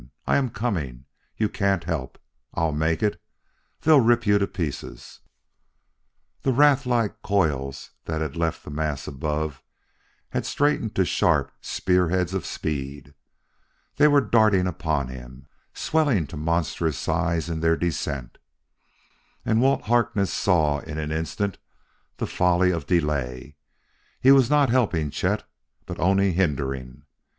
I am coming you can't help I'll make it they'll rip you to pieces " The wraith like coils that had left the mass above had straightened to sharp spear heads of speed. They were darting upon him, swelling to monstrous size in their descent. And Walt Harkness saw in an instant the folly of delay: he was not helping Chet, but only hindering....